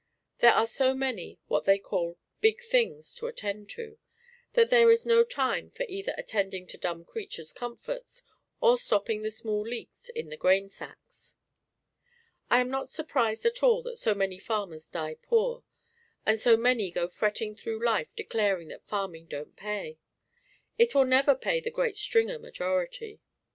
There are so many what they call "big things," to attend to, that there is no time for either attending to dumb creatures' comforts or stopping the small leaks in the grain sacks. I am not surprised at all that so many farmers die poor, and so many go fretting through life declaring that farming don't pay. It will never pay the great "Stringer" majority.